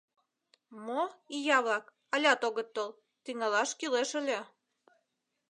Мо, ия-влак, алят огыт тол, тӱҥалаш кӱлеш ыле.